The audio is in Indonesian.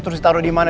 terus ditaruh dimana